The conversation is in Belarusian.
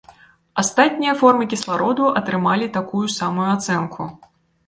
Астатнія формы кіслароду атрымалі такую самую ацэнку.